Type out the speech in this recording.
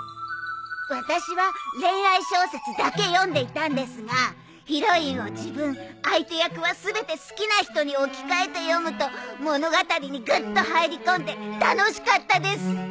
私は恋愛小説だけ読んでいたんですがヒロインを自分相手役は全て好きな人に置き換えて読むと物語にぐっと入り込んで楽しかったです。